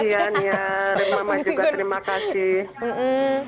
iya dan mama juga terima kasih